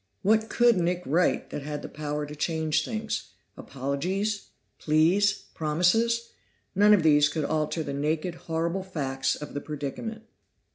What could Nick write that had the power to change things? Apologies? Pleas? Promises? None of these could alter the naked, horrible facts of the predicament.